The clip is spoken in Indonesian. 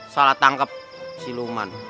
salah tangkep suruman